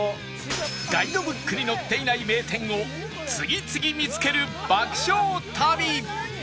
ガイドブックに載っていない名店を次々見つける爆笑旅！